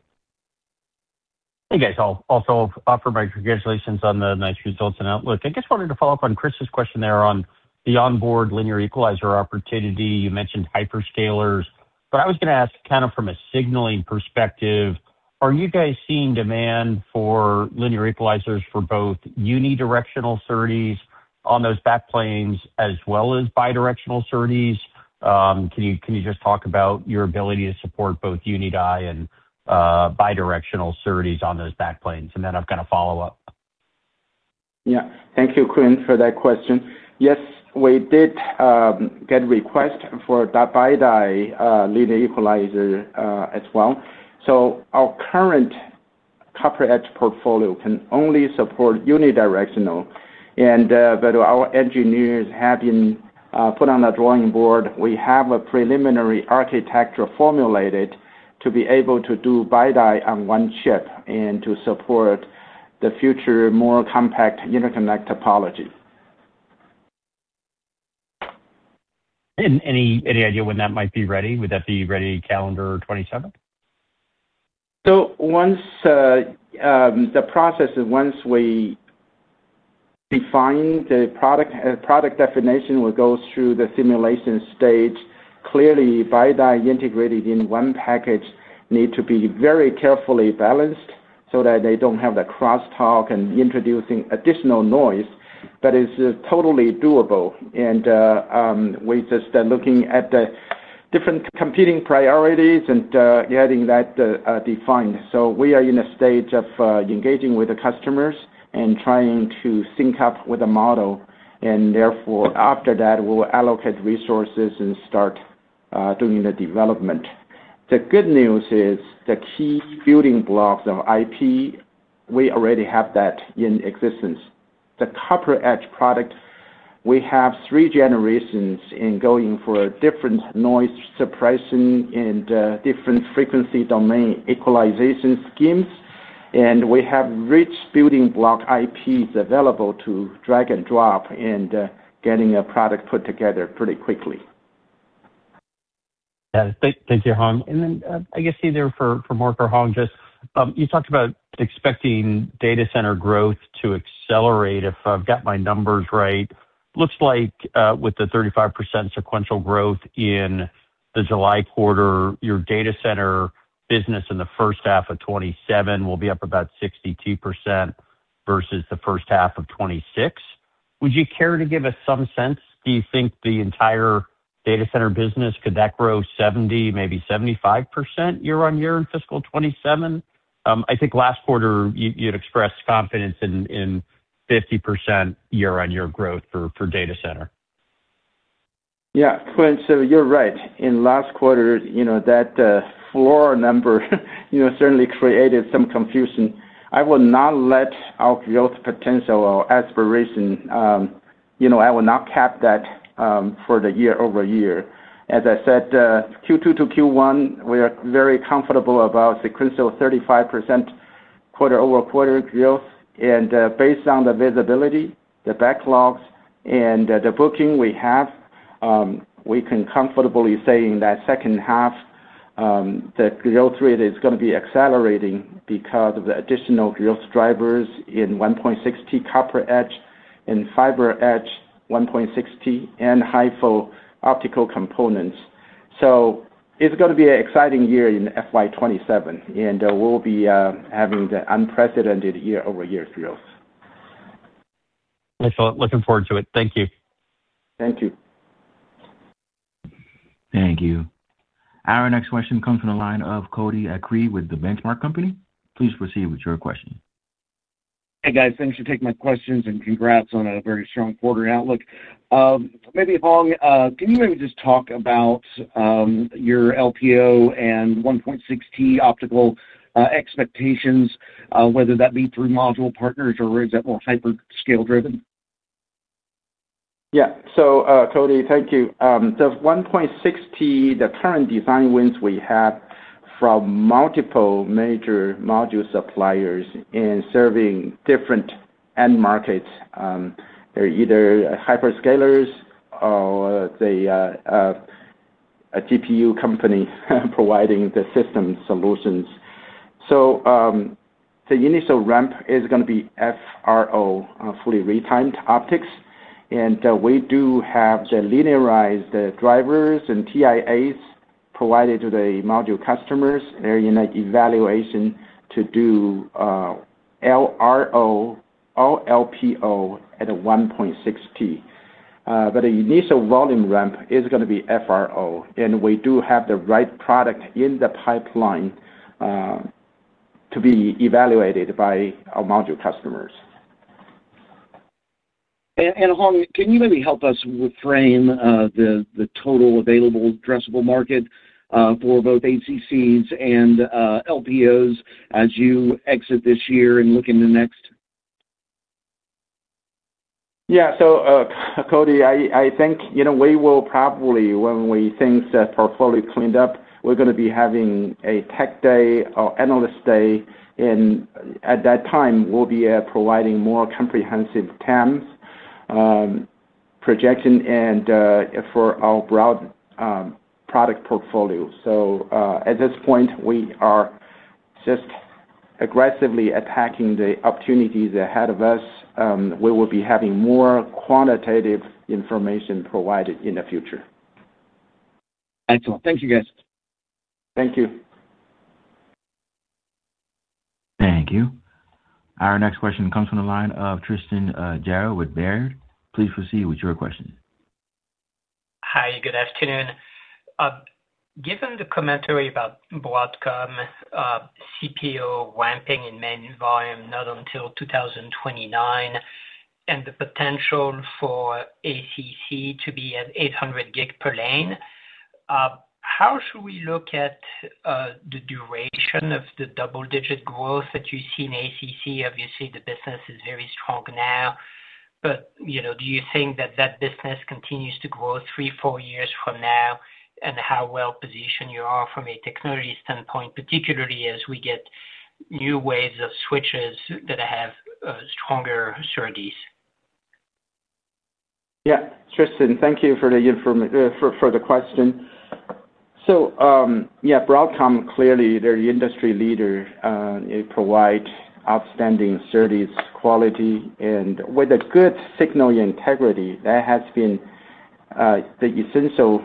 Hey, guys. I'll also offer my congratulations on the nice results and outlook. I just wanted to follow-up on Chris's question there on the onboard linear equalizer opportunity. You mentioned hyperscalers, but I was going to ask from a signaling perspective, are you guys seeing demand for linear equalizers for both unidirectional SerDes on those backplanes as well as bidirectional SerDes? Can you just talk about your ability to support both unidirectional and bidirectional SerDes on those backplanes? I've got a follow-up. Yeah. Thank you, Quinn, for that question. Yes, we did get a request for that BiDi linear equalizer as well. Our current CopperEdge portfolio can only support unidirectional, but our engineers have been put on a drawing board. We have a preliminary architecture formulated to be able to do BiDi on one chip and to support the future, more compact interconnect topology. Any idea when that might be ready? Would that be ready calendar 2027? The process is, once we define the product definition, what goes through the simulation stage. Clearly, BiDi integrated in one package need to be very carefully balanced so that they don't have the crosstalk and introducing additional noise, but it's totally doable. We just are looking at the different competing priorities and getting that defined. We are in a stage of engaging with the customers and trying to sync up with a model, and therefore, after that, we'll allocate resources and start doing the development. The good news is the key building blocks of IP, we already have that in existence. The CopperEdge product, we have three generations going for different noise suppression and different frequency domain equalization schemes, and we have rich building block IPs available to drag and drop and getting a product put together pretty quickly. Yeah. Thank you, Hong. Then, I guess either for Mark or Hong, you talked about expecting data center growth to accelerate. If I've got my numbers right, looks like with the 35% sequential growth in the July quarter, your data center business in the first half of 2027 will be up about 62% versus the first half of 2026. Would you care to give us some sense? Do you think the entire data center business could grow 70%, maybe 75%, year-on-year in fiscal 2027? I think last quarter you had expressed confidence in 50% year-on-year growth for data center. Quinn, you're right. In last quarter, that floor number certainly created some confusion. I will not cap that for the year-over-year. As I said, Q2 to Q1, we are very comfortable about sequential 35% quarter-over-quarter growth. Based on the visibility, the backlogs, and the bookings we have, we can comfortably say in that second half, the growth rate is going to be accelerating because of the additional growth drivers in 1.6T CopperEdge and FiberEdge 1.6T and HieFo optical components. It's going to be an exciting year in FY 2027, and we'll be having unprecedented year-over-year growth. Excellent. Looking forward to it. Thank you. Thank you. Thank you. Our next question comes from the line of Cody Acree with The Benchmark Company. Please proceed with your question. Hey, guys. Thanks for taking my questions, and congrats on a very strong quarter outlook. Maybe, Hong, can you maybe just talk about your LPO and 1.6T optical expectations, whether that be through module partners or is that more hyperscale-driven? Cody, thank you. The 1.6T, the current design wins we have from multiple major module suppliers in serving different end markets. They're either hyperscalers or a GPU company providing the system solutions. The initial ramp is going to be FRO, fully retimed optics, and we do have the linearized drivers and TIAs provided to the module customers. They're in the evaluation to do LRO or LPO at a 1.6T. The initial volume ramp is going to be FRO, and we do have the right product in the pipeline to be evaluated by our module customers. Hong, can you maybe help us reframe the total available addressable market for both ACCs and LPOs as you exit this year and look into next? Yeah. Cody, I think we will probably, when we think the portfolio cleaned up, we're going to be having a tech day or analyst day. At that time, we'll be providing more comprehensive terms, projection, and our broad product portfolio. At this point, we are just aggressively attacking the opportunities ahead of us. We will be having more quantitative information provided in the future. Excellent. Thank you, guys. Thank you. Thank you. Our next question comes from the line of Tristan Gerra with Baird. Please proceed with your question. Hi, good afternoon. Given the commentary about Broadcom CPO ramping and main volume not until 2029, and the potential for ACC to be at 800G per lane, how should we look at the duration of the double-digit growth that you see in ACC? Obviously, the business is very strong now. Do you think that that business continues to grow three, four years from now, and how well-positioned you are from a technology standpoint, particularly as we get new waves of switches that have stronger SerDes? Tristan, thank you for the question. Broadcom, clearly, is the industry leader. They provide outstanding SerDes quality, and with a good signal integrity, that has been the essential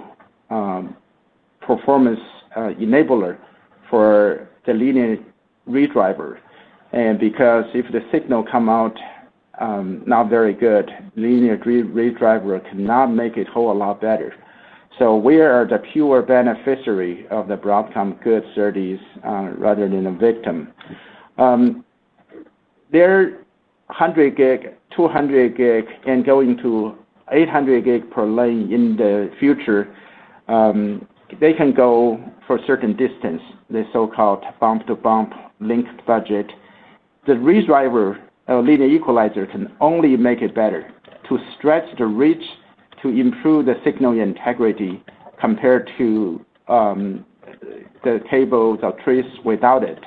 performance enabler for the linear redriver. Because if the signal comes out not very good, a linear redriver cannot make it whole a lot better. We are the pure beneficiary of the Broadcom good SerDes rather than a victim. Their 100G, 200G, and going to 800G per lane in the future, they can go for a certain distance, the so-called bump-to-bump link budget. The redriver linear equalizer can only make it better to stretch the reach to improve the signal integrity compared to the cables or trace without it.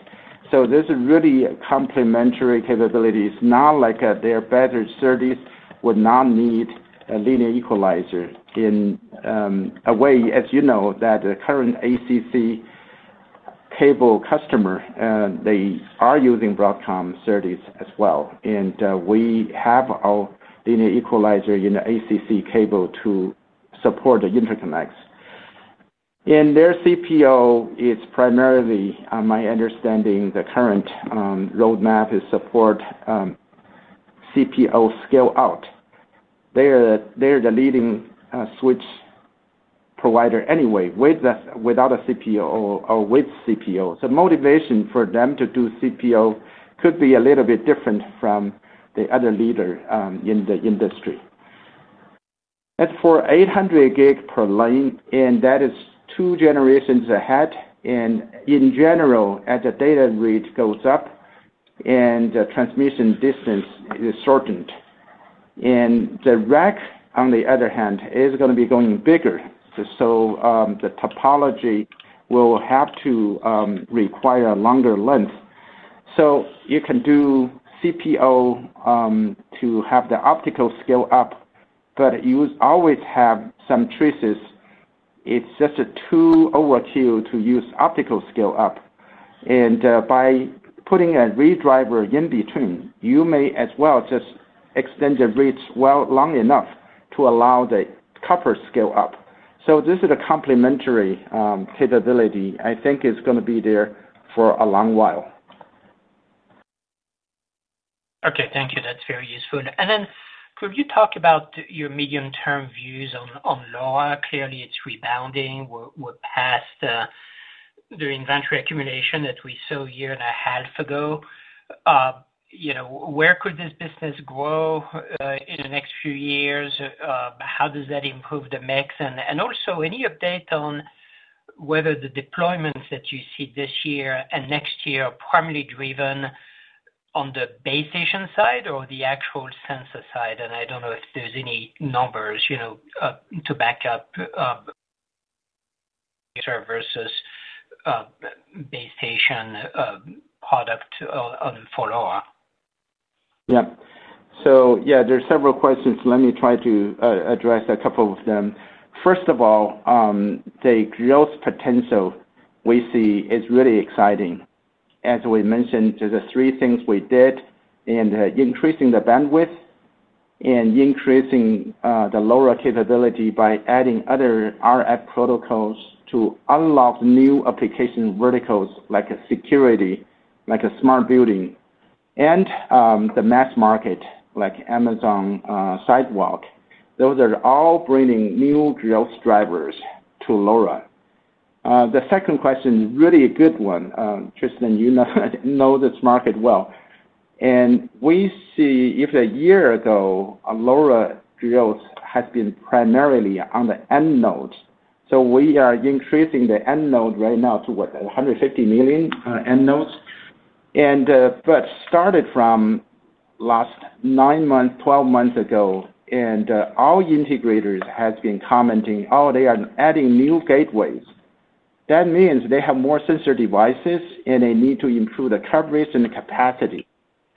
This is really complementary capabilities, not like their better service would not need a linear equalizer. In a way, as you know, the current ACC cable customer is using Broadcom services as well. We have our linear equalizer in the ACC cable to support the interconnects. Their CPO is primarily, my understanding, the current roadmap is support CPO scale-out. They are the leading switch provider anyway, without a CPO or with CPO. Motivation for them to do CPO could be a little bit different from the other leader in the industry. As for 800G per lane, that is two generations ahead, in general, as the data rate goes up, the transmission distance is shortened. The rack, on the other hand, is going to be going bigger. The topology will have to require a longer length. You can do CPO to have the optical scale up, but you always have some traces. It's just a tool or a cue to use optical scale-up. By putting a redriver in between, you may as well just extend the reach long enough to allow the copper scale up. This is a complementary capability I think is going to be there for a long while. Okay, thank you. That's very useful. Could you talk about your medium-term views on LoRa? Clearly, it's rebounding. We're past the inventory accumulation that we saw a year and a half ago. Where could this business grow in the next few years? How does that improve the mix? Any update on whether the deployments that you see this year and next year are primarily driven on the base station side or the actual sensor side? I don't know if there's any numbers to back up versus base station product for LoRa. Yeah. Yeah, there are several questions. Let me try to address a couple of them. First of all, the growth potential we see is really exciting. As we mentioned, there's three things we did in increasing the bandwidth and increasing the LoRa capability by adding other RF protocols to unlock new application verticals like security, like smart building. The mass market, like Amazon Sidewalk. Those are all bringing new growth drivers to LoRa. The second question is really a good one. Tristan, you know this market well. We see that a year ago, LoRa growth has been primarily on the end node. We are increasing the end node right now to what? 150 million end nodes. Started from last nine months, 12 months ago, all integrators have been commenting, oh, they are adding new gateways. That means they have more sensor devices, and they need to improve the coverage and the capacity.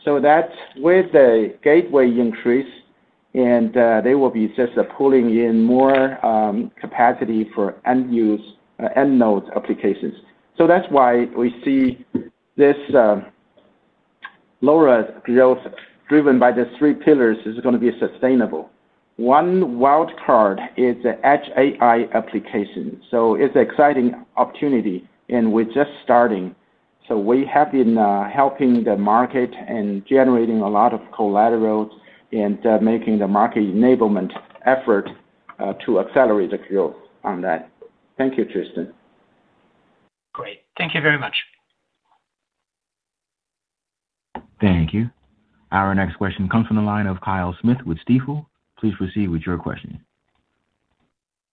That's with the gateway increase, and they will be just pulling in more capacity for end node applications. That's why we see this LoRa growth driven by the three pillars going to be sustainable. One wild card is the edge AI application, so it's an exciting opportunity. We're just starting, so we have been helping the market and generating a lot of collateral and making the market enablement effort to accelerate the growth on that. Thank you, Tristan. Great. Thank you very much. Thank you. Our next question comes from the line of Kyle Smith with Stifel. Please proceed with your question.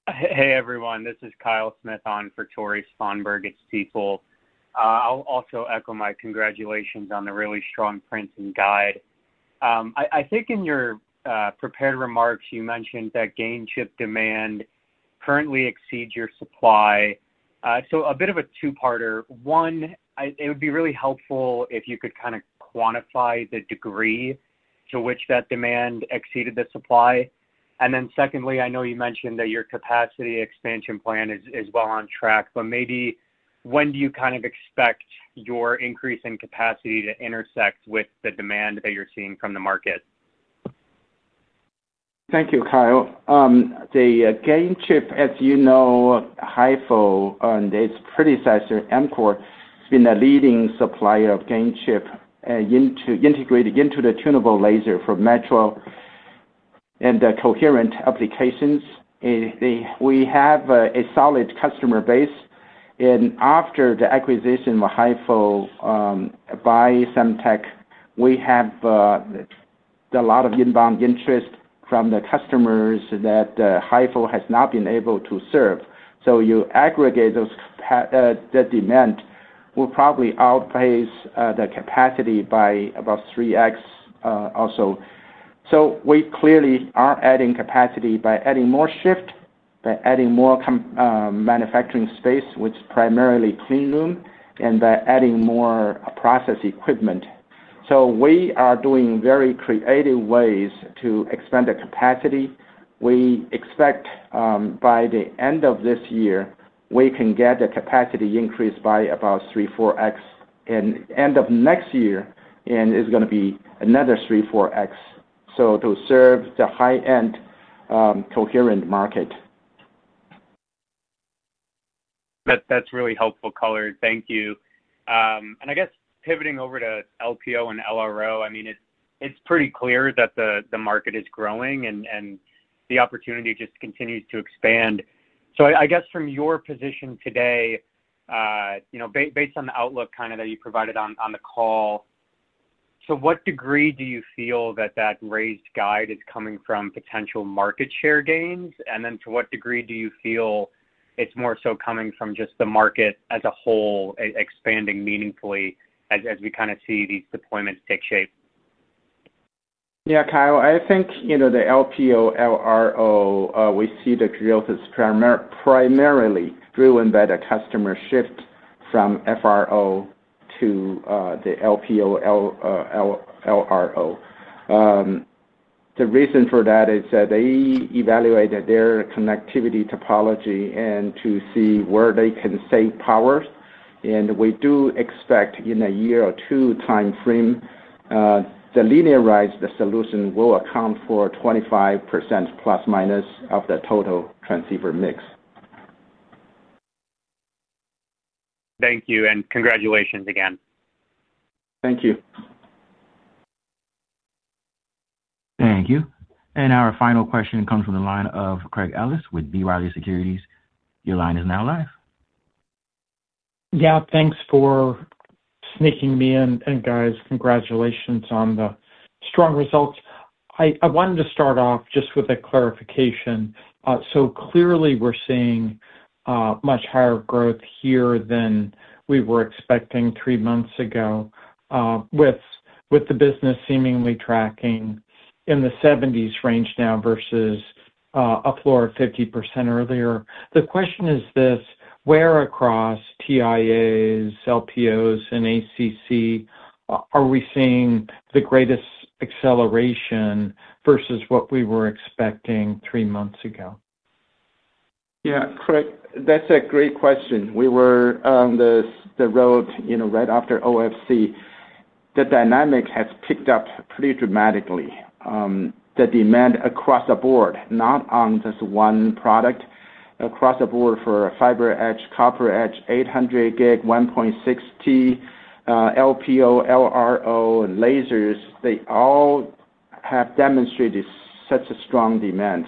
Hey, everyone. This is Kyle Smith on for Tore Svanberg at Stifel. I'll also echo my congratulations on the really strong prints and guide. I think in your prepared remarks, you mentioned that gain chip demand currently exceeds your supply. A bit of a two-parter. One, it would be really helpful if you could quantify the degree to which that demand exceeded the supply? Secondly, I know you mentioned that your capacity expansion plan is well on track, maybe when do you expect your increase in capacity to intersect with the demand that you're seeing from the market? Thank you, Kyle. The gain chip, as you know, HieFo and its predecessor, EMCORE, have been a leading supplier of gain chip integrated into the tunable laser for metro and coherent applications. We have a solid customer base, and after the acquisition of HieFo by Semtech, we have a lot of inbound interest from the customers that HieFo has not been able to serve. You aggregate the demand will probably outpace the capacity by about 3X also. We clearly are adding capacity by adding more shift, by adding more manufacturing space, which primarily clean room, and by adding more process equipment. We are doing very creative ways to expand the capacity. We expect by the end of this year, we can get the capacity increased by about 3x, 4X, and by the end of next year, it's going to be another 3x and 4x. To serve the high-end coherent market. That's a really helpful color. Thank you. I guess pivoting over to LPO and LRO, it's pretty clear that the market is growing, and the opportunity just continues to expand. I guess from your position today, based on the outlook that you provided on the call, to what degree do you feel that that raised guide is coming from potential market share gains? To what degree do you feel it's more so coming from just the market as a whole expanding meaningfully as we see these deployments take shape? Yeah, Kyle, I think the LPO, LRO—we see the growth is primarily driven by the customer shift from FRO to the LPO, LRO. The reason for that is that they evaluated their connectivity topology to see where they can save power. We do expect, in a year or two timeframe, the linear solution will account for ±25% of the total transceiver mix. Thank you. Congratulations again. Thank you. Thank you. Our final question comes from the line of Craig Ellis with B. Riley Securities. Your line is now live. Yeah, thanks for sneaking me in. Guys, congratulations on the strong results. I wanted to start off just with a clarification. Clearly we're seeing much higher growth here than we were expecting three months ago, with the business seemingly tracking in the 70s range now versus up 50% earlier. The question is this: where across TIAs, LPOs, and ACC are we seeing the greatest acceleration versus what we were expecting three months ago? Yeah, Craig, that's a great question. We were on the road right after OFC. The dynamic has picked up pretty dramatically. The demand across the board, not on just one product, across the board for FiberEdge, CopperEdge, 800G, 1.6T, LPO, LRO, and lasers, they all have demonstrated such a strong demand.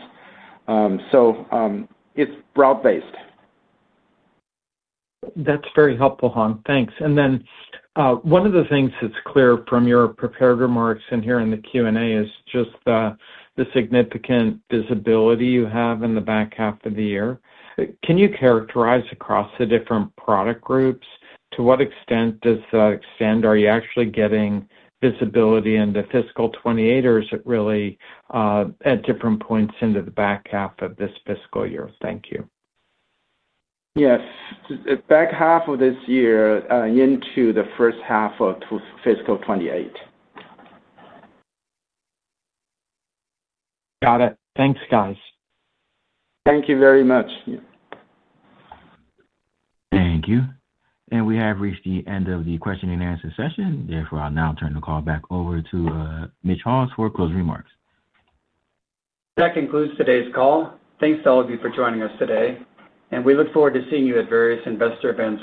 It's broad-based. That's very helpful, Hong. Thanks. One of the things that's clear from your prepared remarks and here in the Q&A is just the significant visibility you have in the back half of the year. Can you characterize across the different product groups to what extent does that extend? Are you actually getting visibility into fiscal 2028, or is it really at different points into the back half of this fiscal year? Thank you. Yes. Back half of this year into the first half of fiscal 2028. Got it. Thanks, guys. Thank you very much. Thank you. We have reached the end of the question-and-answer session. Therefore, I'll now turn the call back over to Mitch Haws for closing remarks. That concludes today's call. Thanks to all of you for joining us today, and we look forward to seeing you at various investor events.